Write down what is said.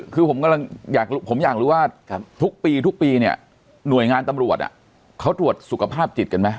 คือผมอยากรู้ว่าทุกปีเนี่ยหน่วยงานตำรวจเขาตรวจสุขภาพจิตกันไหม